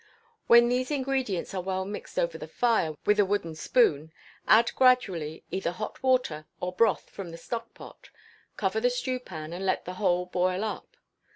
When these ingredients are well mixed over the fire with a wooden spoon, add gradually either hot water, or broth from the stock pot; cover the stewpan, and let the whole boil up.